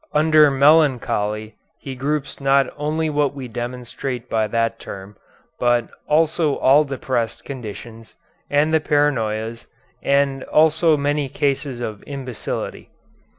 Under melancholy he groups not only what we denominate by that term, but also all depressed conditions, and the paranoias, as also many cases of imbecility.